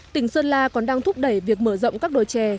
tỉnh sơn la còn đang thúc đẩy việc mở rộng các đồi trè